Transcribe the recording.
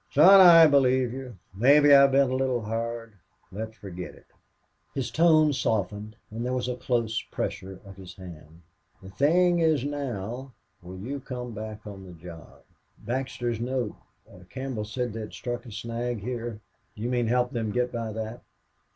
"Son, I believe you. Maybe I've been a little hard. Let's forget it." His tone softened and there was a close pressure of his hand. "The thing is now will you come back on the job?" "Baxter's note Campbell said they'd struck a snag here. You mean help them get by that?"